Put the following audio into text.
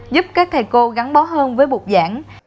giúp các thầy cô gắn bó hơn với bục giảng